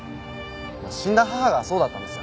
死んだ母がそうだったんですよ。